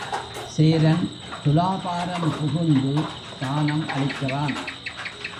சேரன் துலாபாரம் புகுந்து தானம் அளிக்கிறான்.